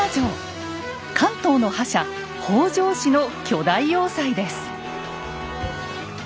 関東の覇者北条氏の巨大要塞です。